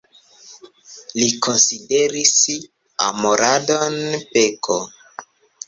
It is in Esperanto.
Li konsideris amoradon peko.